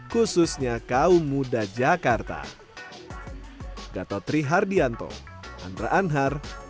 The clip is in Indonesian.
khususnya kaum muda jakarta